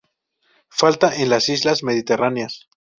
Falta en las islas mediterráneas.